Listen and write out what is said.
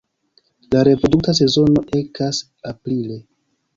La reprodukta sezono ekas aprile.